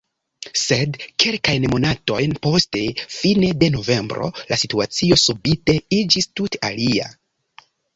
Sed kelkajn monatojn poste, fine de novembro, la situacio subite iĝis tute alia.